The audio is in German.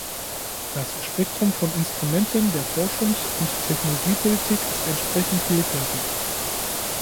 Das Spektrum von Instrumenten der Forschungs- und Technologiepolitik ist entsprechend vielfältig.